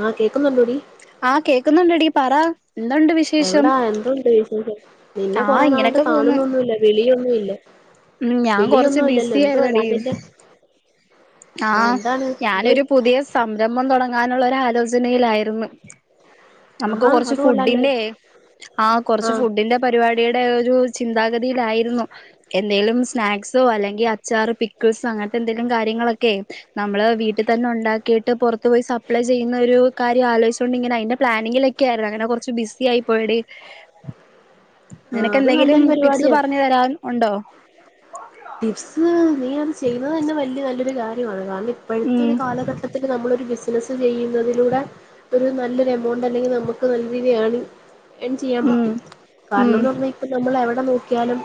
ആഹ് കേക്കുന്നുണ്ടോടി ആഹ് കേക്കുന്നുണ്ടടി പറാ എവിടാ എന്തുണ്ട് വിശേഷം നിന്നെ ആഹ് കൊറെ നാളായിട്ട് ഇങ്ങനെയൊക്കെ പോന്ന് കാണുന്നൊന്നുല്ല വിളിയൊന്നും ഇല്ല ഉം ഞാൻ കൊറച്ച് ബിസി ആയിരുന്നടീ താണ്ടിന്റെ ആഹ് ആഹ എന്താണ് എന്തോ ഞാനൊരു പുതിയ സംരംഭം തുടങ്ങാനുള്ള ആലോചനയിലായിരുന്നു നമുക്ക് ആഹാ കുറച്ച് അത് കൊള്ളാല്ലോ ഫുഡിന്റെറെ ആ കുറച്ച് ആഹ് ഫുഡിന്റെ പരിപാടിയുടെ ഒരു ചിന്താഗതിയിലായിരുന്നു. എന്തെങ്കലും സ്നാക്സോ അല്ലെങ്കിൽ അച്ചാറ് പിക്കിൾസോ അങ്ങനത്തെ എന്തെങ്കലും കാര്യങ്ങളൊക്കെ ഓക്കെ നമ്മള് വീട്ടിൽ തന്നെ ഉണ്ടാക്കിട്ട് പുറത്തു പോയി സപ്ലൈ ചെയ്യുന്ന ഒരു കാര്യം ആലോചിച്ചോണ്ട് ഇങ്ങനെ അയിന്റെ പ്ലാനിങ്ങിലൊക്കെ ആയിരുന്നു അങ്ങനെ കൊറച്ച് ബിസി ആയി പോയിടി ആഹ് അത് നിനക്ക്ന്തെങ്കിലും നല്ലൊരു ടിപ്സ് പരിപാടിയാ പറഞ്ഞ് തരാൻ ഉണ്ടോ ടിപ്സ് നീ അത് ചെയ്യുന്നത് തന്നെ വലിയ നല്ലൊരു കാര്യമാണ് ഇപ്പോഴത്തെ ഉം ഒരു കാലഘട്ടത്തിത്തിൽ നമ്മൾ ഒരു ബിസിനസ് ചെയ്യുന്നതിലൂടെ ഒരു നല്ലൊരു എമൗണ്ട് അല്ലെങ്കിൽ നമുക്ക് നല്ല രീതിയിൽ ഏർണിങ് എൺ ചെയ്യാൻ ഉം പറ്റും ഉം കാരണന്നു പറഞ്ഞാൽ ഇപ്പ നമ്മൾ എവിടെ നോക്കിയാലും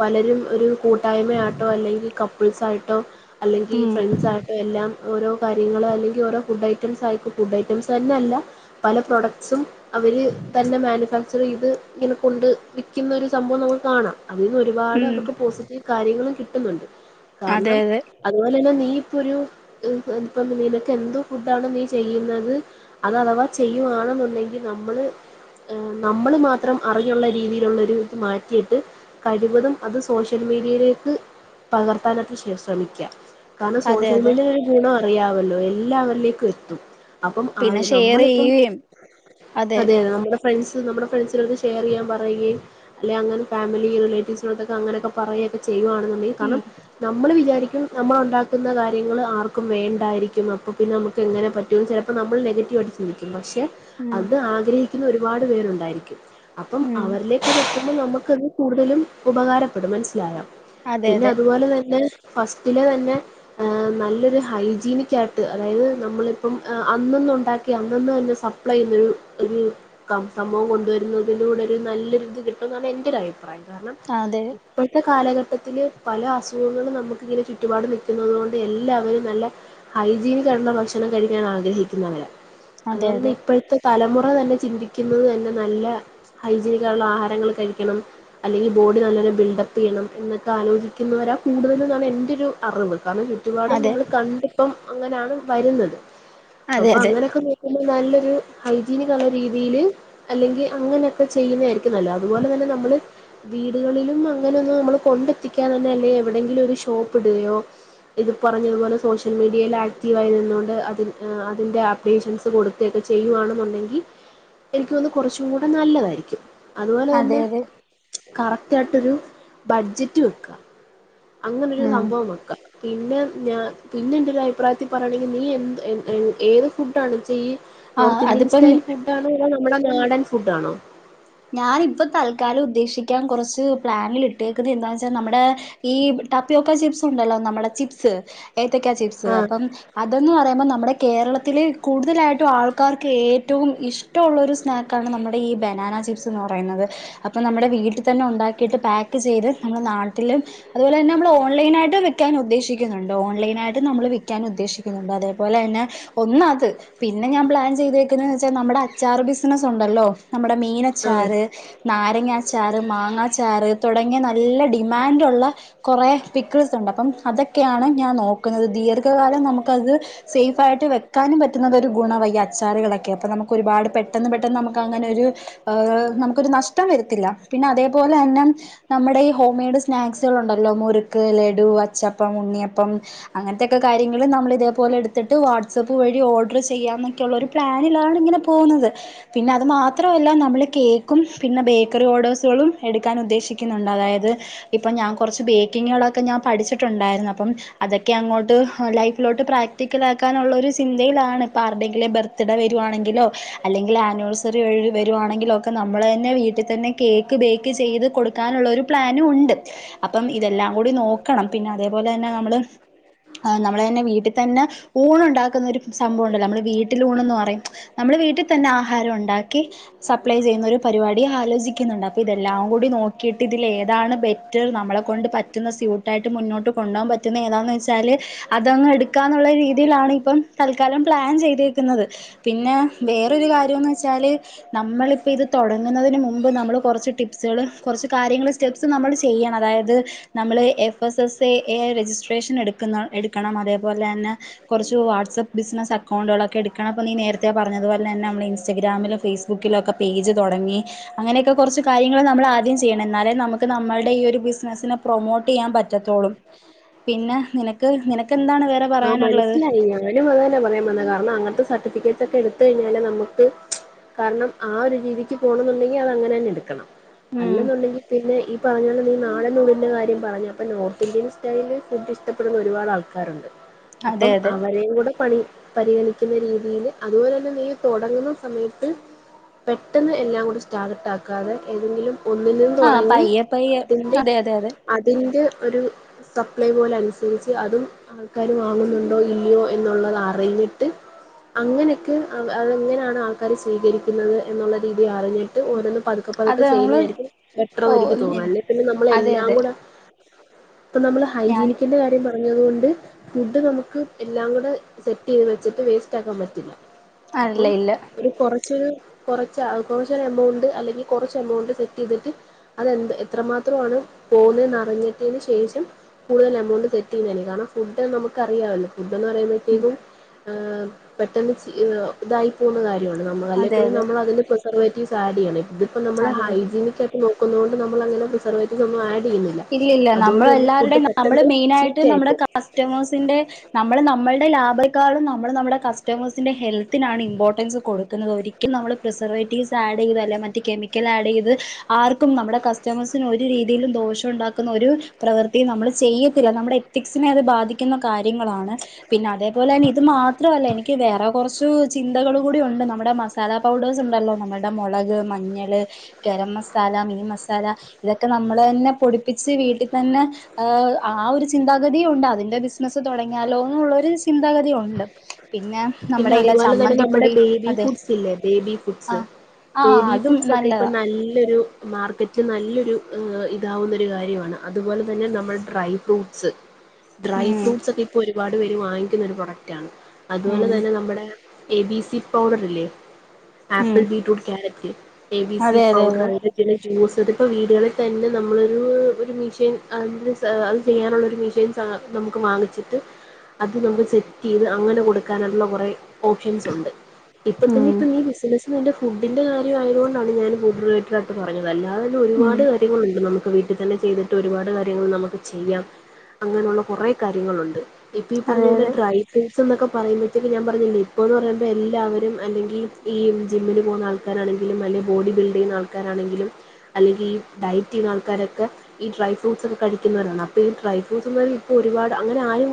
പലരും ഒരു കൂട്ട കൂടായമയായിട്ടോ അല്ലെങ്കിൽ കപ്പിൾസായിട്ടോ അല്ലെങ്കിൽ ഉം ഫ്രണ്ട്സായിട്ടും എല്ലാം ഓരോ കാര്യങ്ങൾ അല്ലെങ്കിൽ ഓരോ ഫുഡ് ഐറ്റംസ് ആയിക്കും ഫുഡ് ഐറ്റംസ് തന്നെയല്ല പല പ്രോഡക്ട്സും അവർ തന്നെ മാനുഫാക്ചർ ചെയ്ത് ഇങ്ങനെ കൊണ്ട് വിൽക്കുന്നൊ ഒരു സംഭവം നമുക്ക് കാണാം അതിന്ന് ഒരുപാട് ഉം അവർക്ക് പോസിറ്റീവ് കാര്യങ്ങളും കിട്ടുന്നുണ്ട് അതെ കാരണം അതെ അതുപോലെ തന്നെ നീയും നിനക്കൊരു എന്തോ ഫുഡാണ് നീ ചെയ്യുന്നത് അത് അഥവാ ചെയ്യുവാണെന്നുണ്ടെങ്കിൽ നമ്മള് നമ്മൾ മാത്രം അറിഞ്ഞുള്ള രീതിയിലുള്ള ഇത് മാറ്റിയിട്ട് കഴിവതും അത് സോഷ്യൽ മീഡിയയിലേക്ക് പകർത്താനൊക്കെ ശ്രമിക്ക കാരണം അതെ സോഷ്യൽ അതെ മീഡിയ ഒരു ഗുണന് അറിയവല്ലോ എല്ലാവരിലേക്കും എത്തും അപ്പം ആ പിന്നെ ഷെയർ നമ്മളിപ്പം ചെയ്യുകയും അതെ അതെതെ നമ്മുടെ ഫ്രണ്ട്സ് നമ്മുടെ ഫ്രണ്ട്സിലോ ഷെയർ ചെയ്യാൻ പറയുകയും അല്ലെങ്ക അങ്ങനെ ഫമിലി റിലേറ്റീവ്സിനോത്തൊക്കെ അങ്ങനൊക്കെ- പറയൊക്കെ ചെയ്യുവാണ് ഉം കാർണം നമ്മൾ വിചാരിക്ക നമ്മൾ ഒണ്ടാക്കുന്ന കാര്യങ്ങൾ ആർക്കും വേണ്ടായിരിക്കും അപ്പോ പിന്നെ നമുക്ക് എങ്ങനെ പറ്റുമന്ന് ചെലപ്പോ നമ്മൾ നെഗറ്റീവായിട്ട് ചിന്തിക്കും പക്ഷേ- ഉം അവരും ആഗ്രഹിക് ഒരുപാട് പേരുണ്ടായിരിക്കും- അപ്പം ഉം അവരിലേക്ക് അത് എത്തുമ്പോ നമുക്കത്- കൂട്തലും ഉപകാരം അവിടെ മനസ്സിലായൊ അതെ പിന്നെ അതെ അതുപോലെ തന്നെ ഫസ്റ്റിലെ തന്നെ ഏഹ് നല്ലൊരു ഹൈജീനിക്കായിട്ട് അതായത് നമ്മളിപ്പം അന്നൊന്നുണ്ടാക്കി അന്നന്ന് തന്നെ സപ്ലൈ ചെയ്യുന്നൊരു ഒര് കം സംഭവം കൊണ്ടുവരുന്നതിലൂടെ ഒരു നല്ലൊരു ഇത് കിട്ടും ന്നാണ് എൻ്റെ ഒരു അഭിപ്രായം. കാരണം അതെ കാലഘട്ടത്തില്ൽ പല അസുഖങ്ങളും നമുക്ക് ഇങ്ങനെ ചുറ്റുപാട് നൽക്കുന്നുന്നത് കൊണ്ട് എല്ലാവരും നല്ല ഹൈജീനിക്കായിട്ടുള്ള ഭക്ഷണം കഴിക്കാൻ ആഗ്രഹിക്കുന്നവരാ അതെ അതുപോലെ തന്നെ ഇപ്പഴത്തെ തലമു റ തന്നെ ചിന്തിക്കുന്നത് തന്നെ നല്ല ഹൈജീനിക്കായിട്ട്ള്ള ആഹാരങ്ങൾ കഴിക്കണം അല്ലെങ്കിൽ ബോഡി നല്ലോലം ബിൽ ഡപ്പ് ചെയ്യണം എന്നൊക്കെ ആലോചിക്കുന്നവരാണ് കൂടുതലും എന്നാണ് എൻ്റൊരു അറിവ്. കാരണം ചുറ്റുപാടും അതെ അതെ നമ്മള് കണ്ടിപ്പം അങ്ങനാണ് വരുന്നത് അതെ അതെ അപ്പോ അങ്ങനക്കെ നോക്കുമ്പോ നല്ലോ രു ഹൈജീനിക്കൊളള രീതില് അല്ലെങ്കി അങ്ങനെ ഒക്കെ ചെയ്യുന്നെ ആരിക്കും നല്ലത് അതുപോലെ തന്നെ നമ്മള് വീടുകളിലും അങ്ങ അങ്ങനൊന്ന് നമ്മള് കൊണ്ടെത്തിക്കാ തന്നെ അല്ലെ എവിടെങ്കിലും ഒരു ഷോപ്പ് ഇടുകയോ ഇത് പറഞ്ഞതുപോലെ സോഷ്യൽ മീഡിയെൽ ആക്റ്റീവായിനിന്നു കൊണ്ട് അതി അതിന്റെ ആപ്ലിക്കേഷൻസ് കൊടുക്കെക്കെ ചെയ്യുവാണെന്നുണ്ടെങ്കി എനിക്ക്തോന്നുന്നു കൊറച്ചു ചൂടെ നല്ലതാരിക്കും അതുപോലെ അതെ തന്നെ അതെ കറക് [unintelligible] ട്ടൊരു ബഡ്ജറ്റ് വെക്കാ അങ്ങനൊരു ഉം സംബവം വെക്കാ പിന്നെ ഞാ പിന്നെ എന്റെ ഒരു അഭിപ്രായത്തി പറയാണെങ്കി നീ എന്ത് ഏത് ഫുഡാണ് ചെയ്യ് ആ നോർത്ത് ഇന്ത്യൻ അതിപ്പം സ്റ്റൈൽ ഫുഡ് ആണ് [unintelligible] ഇവിടെ നാടൻ ഫുഡാണോ ഞാനിപ്പ തൽക്കാലം ഉദ്ദേശിക്കാൻ കുറച്ച് പ്ലാനിൽ ഇട്ടേക്കുന്നത് എന്താന്ന് വച്ചാൽ നമ്മുടെ ഈ ടപ്പ്യോക്ക ചിപ്സ് ഉണ്ടല്ലോ നമ്മുടെ ചിപ്സ് ഏത്തക്കാ ചിപ്സ് ആഹ് അപ്പം അതെന്ന് പറയമ്പോ നമ്മടെ കേരളത്തില് കൂടുതലായിട്ടും ആൾക്കാർക്ക് ഏറ്റവും ഇഷ്ടവൊള്ളൊരു സ്നാക്കാണ് നമ്മുടെ ഈ ബനാന ചിപ് അപ്പൊ നമ്മുടെ വീട്ടിൽതന്നെ ഉണ്ടാക്കീട്ട് പാക്ക് ചെയ്ത് നമ്മള് നാട്ടില് അതു പോലെ തന്നെ ഓൺലൈൻ ആയിട്ടും വിക്കാൻ ഉദ്ദേശിക്കുന്നുണ്ട് ഓൺലൈൻ ആയിട്ടും നമ്മള് ഉദ്ദേശിക്കുന്നുണ്ട് അതെ പോലെ തന്നെ ഒന്ന് അത് പിന്നെ ഞാൻ പ്ലാൻ ചെയ്‌തേക്കുന്നത് വച്ച നമ്മുടെ അച്ചാർ ബിസിനസ് ഉണ്ടല്ലോ നമ്മുടെ ആഹ് ചാറ് നാരങ്ങ അ ച്ചാറ് മാങ്ങാച്ചാറ് തുടങ്ങിയ നല്ല ഡിമാൻഡുള്ള കുറെ പിക്കിൾസ് ഉണ്ട് അപ്പം അതൊക്കെയാണ് ഞാൻ നോക്കുന്നത് ദീർഘകാലം നമുക്കത് സേഫ് ആയിട്ട് വെക്കാനും പറ്റുന്നത് ഒരു ഗുണവഈ അച്ചാറുകളൊക്കെ അപ്പൊ നമുക്ക് ഒരുപാട് പെട്ടെന്ന് പെട്ടെന്ന് നമുക്ക് അങ്ങനെ ഒരു ആ നമുക്കൊരു നഷ്ടം വരത്തില്ല പിന്നെ അതേപോലെ തന്നെ നമ്മുടെ ഈ ഹോം മെയ്ഡ് സ്നാക്സുകൾ ഉണ്ടല്ലോ മുറുക്ക് ലഡു അച്ചപ്പം ഉണ്ണിയപ്പം അങ്ങനത്തൊക്കെ കാര്യങ്ങള് നമ്മള് ഇതേപോലെ എടുത്തിട്ട് വാട്സആപ്പ് വഴി ഓർഡർ ചെയ്യാ ന്നൊക്കെയുള്ള ഒരു പ്ലാനിലാണ് ഇങ്ങനെ പോകുന്നത് പിന്നെ അത് മാത്രല്ല നമ്മള് കേക്കും പിന്നെ ബേക്കറി ഓഡേസുകളും എടുക്കാൻ ഉദ്ദേശിക്കുന്നോണ്ട് അതായത് ഇപ്പോ ഞാൻ കൊറച്ച് ബേക്കിങ്ങുകളൊക്കെ ഞാൻ പഠിച്ചിട്ടോണ്ടാരുന്നു അപ്പം അതൊ ക്കെ അങ്ങോട്ട് ലൈഫിലോട്ട് പ്രാക്ടിക്കലാക്കാൻ ഒള്ളൊരു ചിന്തയിലാണ് ഇപ്പോ ആരുടെങ്കിലും ബർത്ത്ഡേ വരുവാണെങ്കിലോ അല്ലെങ്കി ആനിവേഴ് സറി [unintelligible] വരു വാണെങ്കിലൊക്കെ ന നമ്മള തന്നെ വീട്ടി തന്നെ കേക്ക് ബേക്ക് ഒക്കെ ചെയ്ത് കൊടുക്കാനുള്ള ഒരു പ്ലാനും ഉണ്ട് അപ്പം ഇതെല്ലാം കൂടി നോക്കണം പിന്നെ അതേപോലെ തന്നെ നമ്മള് നമ്മള ന്നെ വീട്ടിൽ തന്നെ ഫൂള് ഇണ്ടാക്കുന്ന ഒരു സംഭവം ഇണ്ടല്ലോ നമ്മുടെ വീട്ടിലൂണെന്ന് പറയും നമ്മുടെ വീട്ടിൽ തന്നെ ആഹാരം ഉണ്ടാക്കി സപ്ലൈ ചെയ്യുന്നൊ ഒരു പരിപാടി ആലോചിക്കുന്നുണ്ട് അപ്പോൾ ഇതെല്ലാം കൂടി നോക്കിയിട്ട് ഇതിലതാണ് ബെറ്റർ നമ്മളെ കൊണ്ട് പറ്റുന്ന സ്യൂട്ടായിട്ട് മുന്നോട്ട് കൊണ്ടോവാൻ പറ്റുന്ന ഏതാണെന്ന് വെച്ചാല് അതങ്ങ് എടുക്ക ക്കാന്നുള്ള രീതിയിലാണ് ഇപ്പം തൽ ക്കാലം പ്ലാൻ ചെയ്തേക്കുന്നത് പിന്നെ വേറൊരു കാര്യംന്ന് വെച്ചാല്- നമ്മളിപ്പം ഇത് തൊടങ്ങുന്നതിന് മുുമ്പ് നമ്മൾ കൊറച്ച് ടിപ്സുകൾ കൊറച്ച് കാര്യങ്ങള്ൾ സ്റ്റെപ്സ് നമ്മൾ ചെയ്യണം അതായത് നമ്മള് F S S A registration എടുക്കുന്ന എടുക്കണം അതേപോലെ തന്നെ കൊറച്ച് വാട്സ്ആപ്പ് ബിസിനസ്സ് അക്കൗണ്ടുകളൊക്കെ എടുക്കണം അപ്പൾ നീ നേരത്തെ പറഞ്ഞതുപോലെ തന്നെ നമ്മൾ ഇൻസ്റ്റഗ്രാമിലും- ഫേസ്ബുക്കിലൊക്കെ പേജ് തൊങ്ങി അങ്ങനെയൊക്കെ കൊറച്ച് കാര്യങ്ങൾ നമ്മൾ ആദ്യം ചെയ്യണം എന്നാലേ നമുക്ക് നമ്മളുടെ ഈ ഒരു ബിസിനസിനെ പ്രൊമോട്ട് ചെയ്യാൻ പറ്റത്തോള്ളൂ പിന്നെ നിനക്ക് നിന ആഹ് മനസ്സിലായി ഞാനും അത തന്നെ പറയാൻ വന്നേ കാരണം അങ്ങനത്തെ സർ ട്ടിഫിക്കറ്റ് ഒക്കെ എടുത്ത കഴിഞ്ഞാല് നമുക്ക് കാരണം ആ ഒരു രീതിക്ക് പോണം എന്നുണ്ടെങ്കി അത് അങ്ങനെ തന്നെ എടുക്കണം- ഉം അല്ലെന്നുണ്ടെങ്കി പിന്നെ ഈ പറഞ്ഞ ഈ നാടനൂണിൻ്റെകാര്യം പറഞ്ഞപ്പം നോർത്ത് ഇന്ത്യൻ സ്റ്റൈലിൽ ഫുഡ് ഇഷ്ടപ്പെടുന്ന ഒരുപാട് ആൾക്കാരൊണ്ട്- അതെ അപ്പം അതെ അവരെയും കൂടെ പണി പരിഗണിക്കുന്ന രീതിയില് അതുപോലെ തന്നെ നീ തൊടങ്ങ്ന്ന സമയത്ത് പെട്ടെന്ന് എല്ലാം കൂടി സ്റ്റാർട്ടാക്കാതെ ഏതെങ്കിലും- ഒന്നിനും ആഹ് തുടങ്ങി പയ്യെ പയ്യെ അതിന്റെ അതെ അതെ അതെ അതിന്റെ ഒരു സപ്ലൈ പോലെ അനുസരിച്ച് അതും ആൾക്കാർ വാങ്ങുന്നുണ്ടോ ഇല്ലയോ എന്നുള്ളത് അറിഞ്ഞിട്ട് അങ്ങനെയൊക്കെ അതെങ്ങനെയാണ് ആൾക്കാര് സ്വീകരിക്കുന്നത് എന്നുള്ള രീതി ആ പറഞ്ഞിട്ട് ഓരോന്നന്ന് പതുക്കെ പതുക്കെ അത് നമ്മള് ചെയ്യുന്നതായിരിക്കും ഓ പെട്ടെന്ന് എനിക്ക് തോന്നും അല്ലേ പിന്നെ അതെ നമ്മളെല്ലാം അതെ കൂടെ.... ഇപ്പ നമ്മള് ഞാൻ ഹൈജീനിക്കിന്റെ കാര്യ പറഞ്ഞു പറഞ്ഞതുകൊണ്ട് ഫുഡ് നമുക്ക് എല്ലാം കൂടെ സെറ്റ് ചെയ്ത് വെച്ചിട്ട് വേസ്റ്റ് ആക്കാൻ പറ്റില്ല അല്ല അപ്പം ഇല്ല ഒരു കൊറച്ച് കുറച്ച് കുറച്ച എമൗണ്ട് അല്ലെങ്കിൽ കുറച്ച് എമൗണ്ട് സെറ്റ് ചെയ്തിട്ട് അത്െന്ത് എത്രമാത്രമാണ് പോകുന്നറിഞ്ഞിട്ടന് ശേഷം കൂടുതൽ എമൗണ്ട് സെറ്റ് ചെയ്യുന്നതനി കാരണം ഫു നമുക്കറിയാവല്ല എന്ന് ഉം പറയുമ്പഴത്തേക്കും പെട്ടെന്ന് ഇതായി പോകുന്ന കാര്യ ല്ല അതെ അതെ നമ്മള പ്സർവ സാഡിയാണ് ഇ അപ്പൊ നമ്മള് അതെ അതെ ഹൈജീിനിക്കായിട്ട് നോ കൊണ്ട് നമ്മ അങ്ങെ പ്രസർവ്് ആഡ് ചെയ്യുന്നില്ല ഇല്ലില്ല അതുകൊണ്ട് നമ്മള് തന്നെ ഫുഡ് പെട്ടെന്ന് ചീത്ത ആയിപ്പോവും കസ്റ്റമേഴ്‌സിന്റെ കസ്റ്റമേഴ് നമ്മ നമ്മുടെ ലാഭക്കാും നമ്മൾ നമ്മുടെ കസ്റ്റമേഴ ഹെൽത്തിനാണ് ഇമ്പോർട്ടൻസ് കൊടുക്കുന്നത് ഒരിക്കലും നമ്മ പ്രിസർവേറ്റീവ്സ്ഡ് ചെയ്ത് അല്ല കെിക്കൽ് ചെയ്ത്ും നമ്മ കസ്റ്റമആർക്കും ഒരു രീതിയിലും ദോഷം ശം ഉണ്ടാക്കുന്ന ഒരു പ്രവൃത്തിയും നമ്മൾ ചെയ്യത്തില്ല നമ്മുടെ എത്തിക്സിനെ അത് ബാധിക്കുന്ന കാര്യം കാര്യങ്ങളാണ് പിന്നെ അതേപോലെ തെ ഇത് മാത്രല്ല എനിക്ക് വേറെ കുറച്ച് ചിന്തകൾ കൂടി ഉണ്ട് നമ്മുടെ മസാല പൗഡേഴ്സ് ഉണ്ടല്ലോ നുടെ മുളക് മഞ്ഞള് ഗരം മസാല മീൻ മസാല ഇതൊക്കെ നമ്മള് തന്നെ പൊടിപ്പിച്ച് വീട്ടിൽ തന്നെ ആ ഒരു ചിന്താഗതിയ ഉണ്ട് അതിന്റെ ബിസിനസ്സ് തുടങ്ങിയാലോന്നുള്ളരു ചിന്താഗതിയ ഉണ്ട് പിന്നെ പിന്നെ നമ്മുടെ കയ്യിലെ അതുപോലെ തന്നെ നമ്മുടെ ചമ്മന്തിപ്പൊടി ബേബി അതെ ഫുഡ്സ് ഇല്ലേ ബേബി ഫുഡ്സ് ആഹ് ആഹ് ബേബി അതും ഫുഡ്സ് ഒക്കെ ഇപ്പൊ നല്ലതാ നല്ലൊരു മാർക്കറ്റിൽ നല്ലൊരു ഇതാവുന്നൊ ഒരു കാര്യമാണ് അതുപോലെ തന്നെ നമ്മൾ ഡ്രൈ ഫ്രൂട്ട്സ് ഡ്രൈ ഉം ഫ്രൂട്ട്സ് ഒക്കെ ഇപ്പ ഒരു ഒരുപാട് പേര് വാങ്ങിക്കുന്നൊരു പ്രോഡക്റ്റ് ആണ് അതുപോലെ ഉം തന്നെ നമ്മുടെ എ ബി സി പൗഡറില്ലേ ഉം apple beetroot carrot A B C അതെ അതെ പൗഡർ അതെ ആയിരത്തിന് ജ്യൂസതിപ്പോ വീടുകളിൽ തന്നെ നമ്മളോരു ഒരു മെഷീൻ അ സാ അത് ചെയ്യാനുള്ള ഒരു മെഷീൻ സാ നമുക്ക് വാങ്ങിച്ചിട്ട് അത് നമുക്ക് സെറ്റ് ചെയ്ത് അങ്ങനെ കൊടു കാനുള്ള കുറെേ ഓപ്ഷൻസ് ഉണ്ട് ഇപ്പൊ തന്നെ ഉം ഇപ്പൊ ഈ ബിസിനസ്സ് എന്റെ ഫുഡിന്റെ കാര്യമായത് കൊണ്ടാണ് ഞാൻ ഫുഡ്റിലേറ്റഡായിട്ട് പറഞ്ഞത് അതല്ലാതന്ന ഉം ഒരുപാട് കാര്യങ്ങളുണ്ട് നമുക്ക് വീട്ടിൽ തന്നെ ചെയ്തിട്ട് ഒരുപാട് കാര്യങ്ങൾ നമുക്ക് ചെയ്യാം അങ്ങനെയുള്ള കുറെ കാര്യങ്ങളുണ്ട് ഇപ്പൊ ഈ പറഞ്ഞ അതെ പോലെ അതെ ട്രൈ ചെയ് സ പറയുമ്പഴ്ത്തേക്ക്‌ ഞാൻ പറഞ്ഞില്ലേ ഇപ്പോഴ് പറയുമ്പോൾ എല്ലാവരും അല്ലെങ്കിൽ ഈ ജിമ്മിൽ പോകുന്ന ആൾക്കാരാണെങ്കിലും അല്ലെങ്കിൽ ബോഡി ബിൽഡ് ചെയ്യുന്ന ആൾക്കാരാണെങ്കിലും അല്ലെങ്കിൽ ഈ ഡയറ്റ് ചെയ്യുന്ന ആൾക്കാരൊക്കെ ഈ ഡ്രൈ ഫ്രൂട്ട്സോക്കെ കഴിക്കുന്നവരാണ് അപ്പോൾ ഈ ഡ്രൈ ഫ്രൂട്ട്സ്ന്ന് പറ ഇപ്പോ ഒരുപാട് അങ്ങനാരും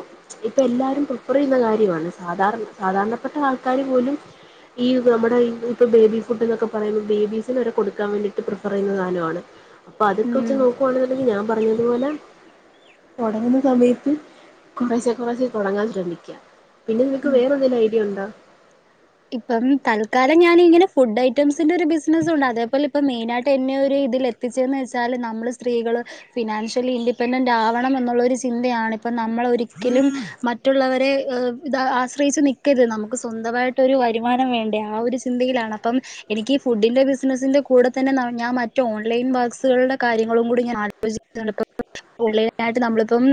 ഇപ്പോൾ എല്ലാവരും പ്രിഫർ ചെയ്യുന്ന കാര്യമാണ് സാധാരണ സാധാരണപ്പെട്ട ആൾക്കാര് പോലും ഈ നമ്മുടെ ഇപ്പൊ ബേബി ഫുഡ് എന്നൊക്കെ പറയുമ്പോൾ ബേബീസിന് വരെ കൊടുക്കാൻ വേണ്ടിട്ട് പ്രിഫർ ചെയ്യുന്ന സധാനമാണ് അപ്പ അതൊക്കെ ഉം വെച്ച് നോക്കുവാണെന്നുണ്ടെങ്കിൽ ഞാൻ പറഞ്ഞ അതുപോലെ തുടങ്ങുന്ന സമയത്ത് കുറേശ്ശെ കുറേശ്ശെ തുടങ്ങാൻ ശ്രമിക്കാ പിന്നെ നിനക്ക് വേറെ എന്തേലും ഐഡിയ ഉണ്ടാ ഇപ്പം തൽക്കാലം ഞാന് ഇങ്ങനെ ഫുഡ് ഐറ്റംസിന്റെ ഒരു ബിസിനസ്സ് ഉണ്ട് അതേപോലെ ഇപ്പ മെയിനായിട്ട് എന്നെ ഒരു ഇതിൽ എത്തിച്ചന്ന് വെച്ചാല് നമ്മള് സ്ത്രീകള് ഫിനാൻഷ്യലി ഇൻഡിപെൻഡന്റ് ആവണം എന്നുള്ള ഒരു ചിന്തയാണ് ഇപ്പം നമ്മള് ഒരിക്കലും മറ്റുള്ളവരെ ഇത ആശ്രയിച്ചു നിക്കരു നമുക്ക് സ്വന്തവായിട്ട് ക്കോരു വരുമാനം വേണ്ടേ ആ ഒരു ചിന്തയിലാണ് അപ്പം എനിക്ക് ഈ ഫുഡിന്റെ ബിസിനസ്സിന്റെ കൂടെ തന്നെ ഞാൻ മറ്റ് ഓൺലൈൻ ബക്സുകളുടെ കാര്യങ്ങളും കൂടി ഞാൻ ആലോചിക്കണ്ട് ഇപ്പ ഓൺലൈനായിട്ട് നമ്മളിപ്പം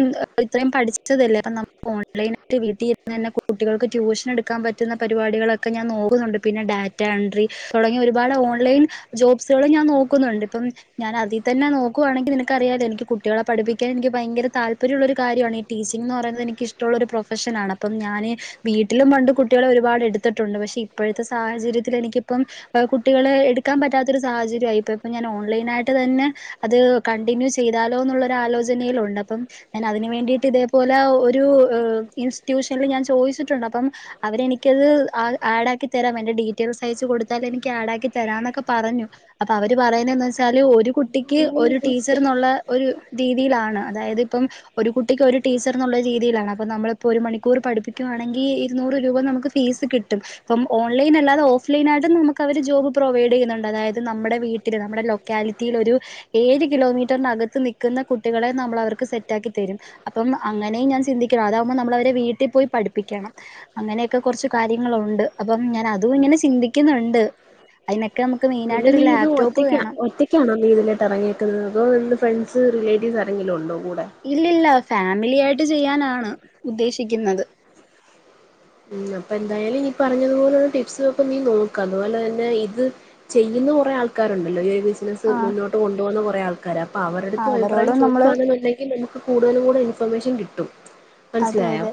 ഇത്രയും പഠിച്ചതല്ലേ അപ്പം നമുക്ക് ഓൺലൈനായിയിട്ട് വീട്ടിലിരുന്ന് തന്നെ കുട്ടികൾക്ക് ട്യൂഷൻ എടുക്കാൻ പറ്റുന്ന പരിപാടികളൊക്കെ ഞാൻ നോക്കുന്നുണ്ട് പിന്നെ ഡാറ്റ എൻട്രി തുടങ്ങിയ ഒരുപാട് ഓൺലൈൻ ജോബ്സുകൾ ഞാൻ നോക്കുന്നുണ്ട് ഇപ്പം ഞാൻ അതി തന്നെ നോക്കുവാണെങ്കിൽ നിനക്ക് അറിയല്ലോ എനിക്ക് കുട്ടികളെ പഠിപ്പിക്കാൻ എനിക്ക് ഭയങ്കര താല്പര്യമുള്ള ഒരു കാര്യമാണ് ഈ ടീച്ചിങ്ന്ന് പറയുന്നത് എനിക്ക് ഇഷ്ട്ടോള്ള ഒരു പ്രൊഫഷനാണ് അപ്പം ഞാന് വീട്ടിലും പണ്ട് കുട്ടികളെ ഒരുപാട് എടുത്തിട്ടുണ്ട് പക്ഷെ ഇപ്പോഴത്തെ സാഹചര്യത്തിൽ എനിക്കിപ്പം കുട്ടികളെ എടുക്കാൻ പറ്റാത്തൊരു സാഹചര്യമായി ഇപ്പം ഇപ്പം ഞാൻ ഓൺലൈൻ ആയിട്ട് തന്നെ അത് കണ്ടിന്യൂ ചെയ്താലോന്നുള്ള ഒരു ആലോചനയിലുണ്ട് അപ്പം ഞാൻ അതിനന് വേണ്ടിട്ട് ഇതേപോലെ ഒരു ഇൻസ്റ്റിറ്റ്യൂഷനിൽ ഞാൻ ചോദിച്ചിട്ടുണ്ട് അപ്പം അവരെനിക്ക് എനിക്കത് ആ ആഡ് ആക്കി തരാം എന്റെ ഡീറ്റെയിൽസ് അയച്ച കൊടുത്താൽ എനിക്ക് ആഡ് ആക്കി തരാം എന്നൊക്കെ പറഞ്ഞു അപ്പൊ അവർ പറയുന്നെന്ന് വെച്ചാല് ഒരു കുട്ടിക്ക് ഒരു ഈ ടീച്ചർന്നുള്ള ഒരു രീതിയിലാണ് അതായത് ഇപ്പം ഒരു കുട്ടിക്ക് ഒരു ടീച്ചർന്നുള്ള രീതിയിലാണ് അപ്പം നമ്മളിപ്പോ ഒരു മണിക്കൂർ പഠിപ്പിക്കുകയാണെങ്കിൽ ഇരുന്നൂറ് രൂപ നമുക്ക് ഫീസ് കിട്ടും ഇപ്പം ഓൺലൈൻ അല്ലാതെ ഓഫ്‌ലൈൻ ആയിട്ടും നമുക്ക് അവര് ജോബ് പ്രൊവൈഡ് ചെയ്യുന്നുണ്ട് അതായത് നമ്മുടെ വീട്ടില് നമ്മുടെ ലൊക്കാലിറ്റിയിൽ ഒരു ഏഴ് കിലോമീറ്ററിനകത്ത് നിൽക്കുന്ന കുട്ടികളെ നമ്മൾ അവർക്ക് സെറ്റാക്കി തെരും അപ്പം അങ്ങനെയും ഞാൻ ചിന്തിക്കണം അതാകുമ്പോൾ നമ്മള അവരെ വീട്ടിൽ പോയി പഠിപ്പിക്കണം അങ്ങനെ ക്കെ കുറച്ച് കാര്യങ്ങളുണ്ട് അപ്പം ഞാൻ അതും ഇങ്ങനെ ചിന്തിക്കുന്നുണ്ട് അതിനൊക്കെ നമുക്ക് പിന്നെ മെയിനായിട്ടൊരു നീ ഇത് ലാപ്ടോപ്പ് ഒറ്റക്ക വേണം ഒറ്റക്കാണോ നി ഇതിലട്ട് ഇറങ്ങിക്കുന്നതോ നിന്റെ ഫ്രണ്ട്‌സ് റിലേറ്റീവ്സ് ആരെങ്കിലും ഉണ്ടോ കൂടെ ഇല്ലില്ല ഫാമിലി ആയിട്ട് ചെയ്യാനാണ് ഉദ്ദേശിക്കുന്നത് അപ്പ എന്തായാലും നീ പറഞ്ഞതുപോലുള്ള ടിപ്സ് ഒക്കെ നീ നോക്ക്‌ അതുപോലെ തന്നെ ഇത് ചെയ്യുന്ന കുറേ ആൾക്കാരുണ്ടല്ലോ ഈ ഒരു ബിസിനസ് ആഹ് മുന്നോട്ട് കൊണ്ടു പോന്ന കുറെ ആൾ കര അവരടുത്തും അഭിപ്രായം അവരോടും നമ്മള് ചോദിക്കുവാണെന്നുണ്ടെങ്കിൽ കൂടുതലും കൂടെ ഇൻഫർമേഷൻ കിട്ടും അതെ മനസ്സിലായോ അതെ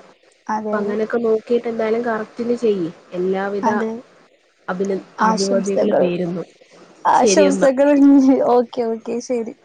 അതെ അതെ അങ്ങനൊക്കെ നോക്കി എന്താലും കറക്റ്റിന് ചെയ്യ് അതെ അഭിന അഭിവദികളും ആശംസകൾ നേരുന്നു ശരിയെന്നാ ആശംസകൾ ഓക്കെ ഓക്കെ ശെരി.